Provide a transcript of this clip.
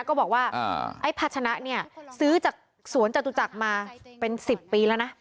ก็บอกว่าไอ้ภาชนะเนี่ยซื้อจากสวนจตุจักรมาเป็น๑๐ปีแล้วนะ